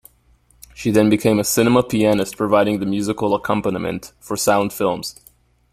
She then became a cinema pianist providing the musical accompaniment for silent films.